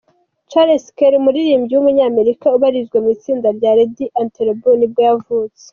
Charles Kelley, umuririmbyi w’umunyamerika, ubarizwa mu itsinda rya Lady Antebellum nibwo yavutse.